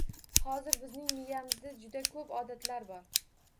Hozir bizning miyamizda juda ko’p “odatlar” bor.